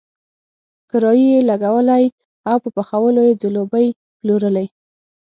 کرایي یې لګولی او په پخولو یې ځلوبۍ پلورلې.